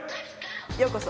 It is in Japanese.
ようこそ。